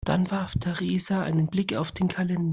Dann warf Theresa einen Blick auf den Kalender.